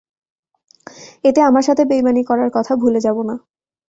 এতে আমার সাথে বেঈমানী করার কথা ভুলে যাব না।